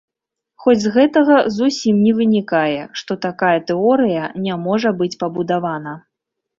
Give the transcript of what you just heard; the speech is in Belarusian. Хоць з гэтага зусім не вынікае, што такая тэорыя не можа быць пабудавана.